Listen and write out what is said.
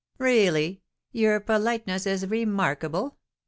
"Really, your politeness is remarkable!